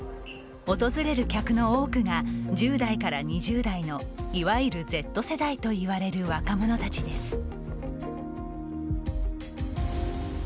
訪れる客の多くが１０代から２０代のいわゆるＺ世代といわれる若者たちです。